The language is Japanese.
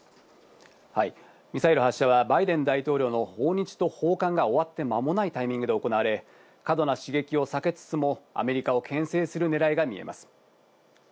ミサイル発射はバイデン大統領の訪日と訪韓が終わって間もないタイミングで行われ、過度な刺激を避けつつもアメリカを牽制するねらいが見えます。